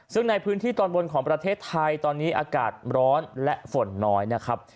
ซึ่งในพื้นที่ตอนบนของประเทศไทยตอนนี้อากาศร้อนและฝนน้อยนะครับ